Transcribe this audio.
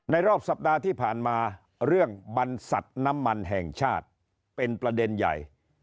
รอบสัปดาห์ที่ผ่านมาเรื่องบรรษัทน้ำมันแห่งชาติเป็นประเด็นใหญ่